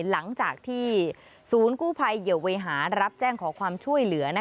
หลังจากที่ศูนย์กู้ภัยเหยื่อเวหารับแจ้งขอความช่วยเหลือ